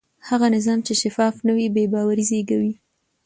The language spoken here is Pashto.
هغه نظام چې شفاف نه وي بې باوري زېږوي